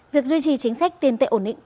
việc duy trì chính sách tiền tệ ổn định